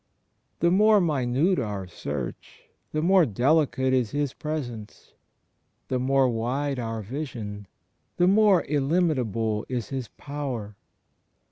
The more minute our search, the more delicate is His Presence. The more wide our vision, the more illimit able is His Power.